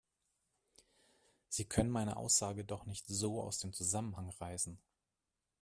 Sie können meine Aussage doch nicht so aus dem Zusammenhang reißen!